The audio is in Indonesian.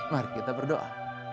mari kita berdoa